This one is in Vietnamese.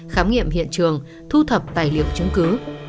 khám nghiệm hiện trường thu thập tài liệu chứng cứ